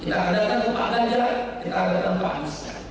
kita kandalkan kepada anjar kita akan paham segera